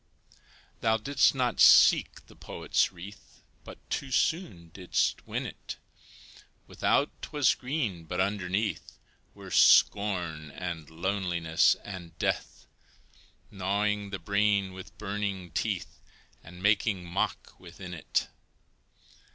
Thou didst not seek the poet's wreath But too soon didst win it; Without 'twas green, but underneath Were scorn and loneliness and death, Gnawing the brain with burning teeth, And making mock within it.